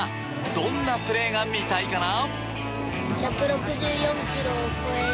どんなプレーが見たいかな？